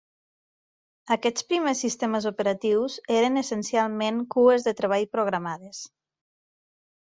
Aquests primers sistemes operatius eren essencialment cues de treball programades.